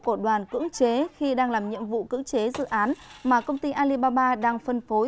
của đoàn cưỡng chế khi đang làm nhiệm vụ cưỡng chế dự án mà công ty alibaba đang phân phối